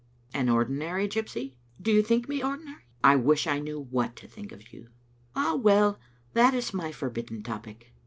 " An ordinary gypsy?" " Do you think me ordinary?" *• I wish I knew what to think of you." " Ah, well, that is my forbidden topic.